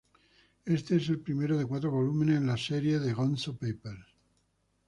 Éste es el primero de cuatro volúmenes en la serie "The Gonzo Papers".